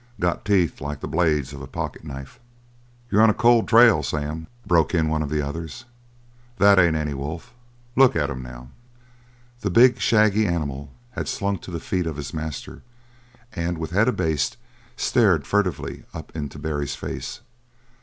Got teeth like the blades of a pocket knife!" "You're on a cold trail, Sam," broke in one of the others. "That ain't any wolf. Look at him now!" The big, shaggy animal had slunk to the feet of his master and with head abased stared furtively up into Barry's face.